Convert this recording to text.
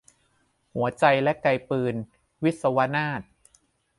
หัวใจและไกปืน - วิศวนาถ